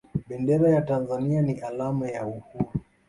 bendera ya tanzania ni alama ya uhuru